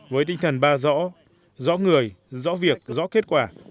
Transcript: với tinh thần ba rõ rõ người rõ việc rõ kết quả